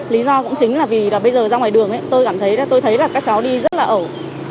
lý do cũng chính là vì bây giờ ra ngoài đường tôi cảm thấy là các cháu đi rất là ẩu